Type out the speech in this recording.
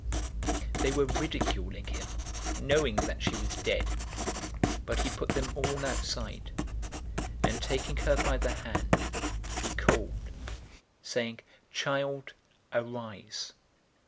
008:053 They were ridiculing him, knowing that she was dead. 008:054 But he put them all outside, and taking her by the hand, he called, saying, "Child, arise!"